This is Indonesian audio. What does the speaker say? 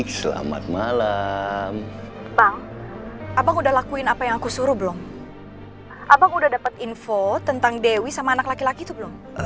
halo cantik selamat malam bang abang udah lakuin apa yang aku suruh belum abang udah dapet info tentang dewi sama anak laki laki itu belum